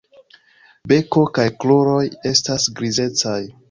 Beko kaj kruroj estas grizecaj.